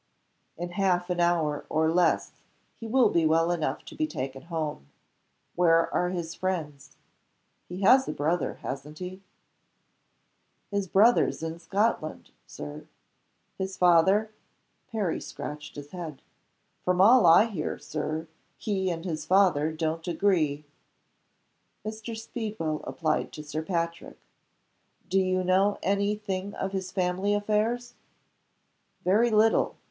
"In half an hour or less he will be well enough to be taken home. Where are his friends? He has a brother hasn't he?" "His brother's in Scotland, Sir." "His father?" Perry scratched his head. "From all I hear, Sir, he and his father don't agree." Mr. Speedwell applied to Sir Patrick. "Do you know any thing of his family affairs?" "Very little.